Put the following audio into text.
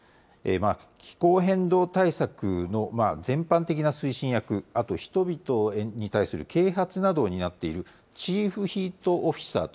気候変動対策の全般的な推進役、あと人々に対する啓発などを担っているチーフヒートオフィサーと。